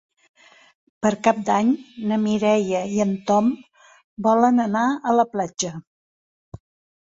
Per Cap d'Any na Mireia i en Tom volen anar a la platja.